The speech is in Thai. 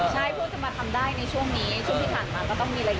สบายใจ